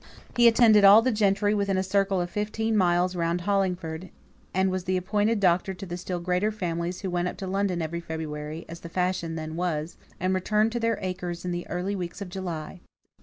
He attended all the gentry within a circle of fifteen miles round Hollingford; and was the appointed doctor to the still greater families who went up to London every February as the fashion then was and returned to their acres in the early weeks of July.